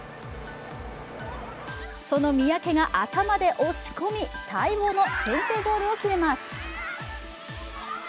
その三宅が頭で押し込み待望の先制ゴールを決めます。